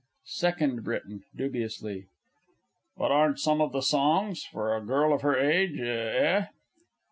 SECOND B. (dubiously). But aren't some of the songs for a girl of her age eh?